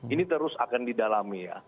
ini terus akan didalami